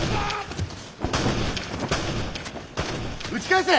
撃ち返せ！